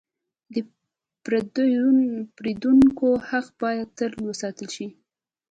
د پیرودونکو حق باید تل وساتل شي.